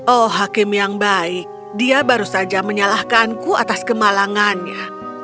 oh hakim yang baik dia baru saja menyalahkanku atas kemalangannya